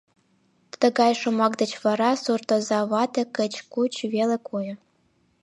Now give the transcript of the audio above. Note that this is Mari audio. Тыгай шомак деч вара суртоза вате кыч-куч веле койо.